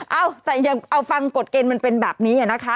เอ้าแต่ยังเอาฟังกฎเกณฑ์มันเป็นแบบนี้นะคะ